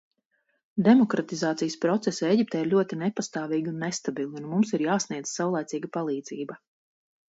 Demokratizācijas procesi Ēģiptē ir ļoti nepastāvīgi un nestabili, un mums ir jāsniedz savlaicīga palīdzība.